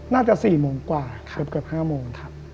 น่าจะ๔โมงกว่าเกือบ๕โมงครับ